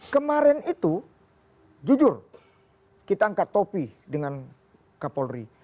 kemarin itu jujur kita angkat topi dengan kapolri